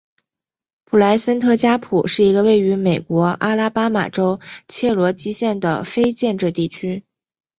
普莱森特加普是一个位于美国阿拉巴马州切罗基县的非建制地区。